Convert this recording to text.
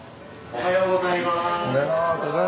おはようございます。